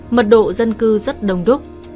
mật độ dân cư rất đông đúc